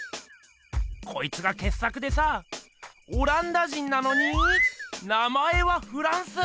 こいつがけっ作でさオランダ人なのに名前はフランス！